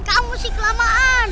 kamu sih kelamaan